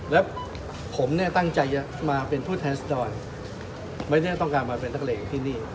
และผมตั้งใจจะมาเป็นผู้ทัศน์ดอนไม่ได้ต้องการมาเป็นทะเลที่นี่